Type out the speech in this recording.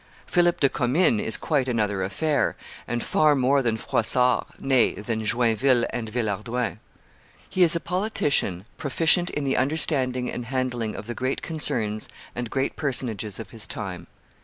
Philip de Commynes is quite another affair, and far more than Froissart, nay, than Joinville and Villehardouin. He is a politician proficient in the understanding and handling of the great concerns and great personages of his time.